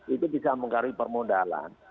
itu bisa menggaruhi permodalan